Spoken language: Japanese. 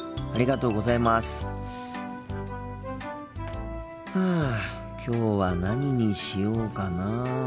心の声ふうきょうは何にしようかなあ。